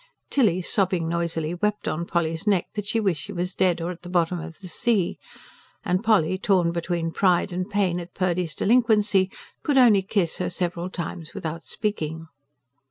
Tilly, sobbing noisily, wept on Polly's neck that she wished she was dead or at the bottom of the sea; and Polly, torn between pride and pain at Purdy's delinquency, could only kiss her several times without speaking.